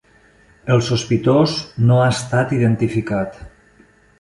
El sospitós no ha estat identificat.